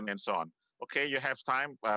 dan saya akan mengatakan bahwa